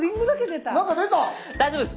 大丈夫です。